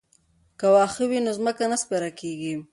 که واښه وي نو ځمکه نه سپیره کیږي.